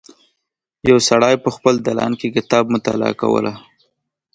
یو سړی په خپل دالان کې کتاب مطالعه کوله.